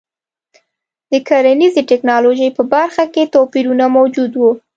د کرنیزې ټکنالوژۍ په برخه کې توپیرونه موجود وو.